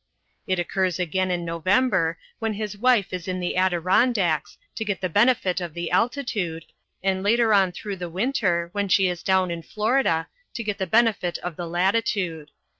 It occurs again in November when his wife is in the Adirondacks to get the benefit of the altitude, and later on through the winter when she is down in Florida to get the benefit of the latitude.